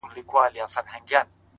وخت د ژمنتیا رښتینولی ازموي!.